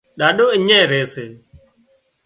ڏاڏو اڃين ري سي